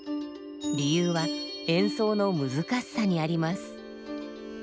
理由は演奏の難しさにあります。